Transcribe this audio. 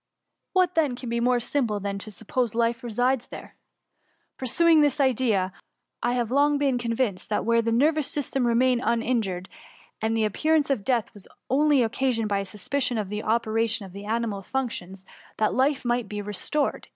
What then can be more simple than to suppose life resides there ? Pursuing this idea, I have long VOL. I. M f I 24S THE ICUMMY. been convinced that where the nervous system remained uninjured, and the appearance of death was only occasioned by a suspension of the operation of the animal functions, that iife might be restored.